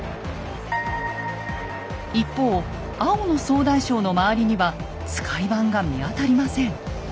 一方青の総大将の周りには使番が見当たりません。